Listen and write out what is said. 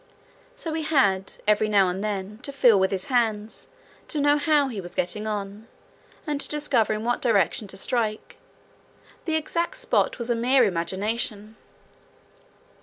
So he had, every now and then, to feel with his hands to know how he was getting on, and to discover in what direction to strike: the exact spot was a mere imagination.